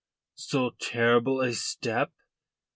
so terrible a step?"